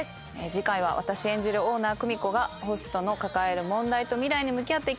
次回は私演じるオーナー久美子がホストの抱える問題と未来に向き合っていきます。